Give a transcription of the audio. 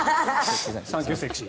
サンキューセクシー。